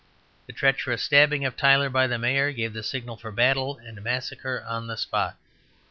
The treacherous stabbing of Tyler by the Mayor gave the signal for battle and massacre on the spot.